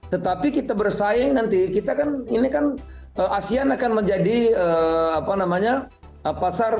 tetapi kita bersaing nanti kita kan ini kan asean akan menjadi apa namanya pasar